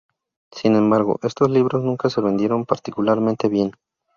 Sin embargo, estos libros nunca se vendieron particularmente bien.